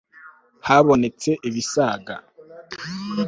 habonetse ibisaga